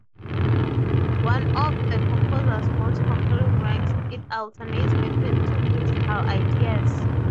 One of the composer's most compelling works, it alternates between two musical ideas.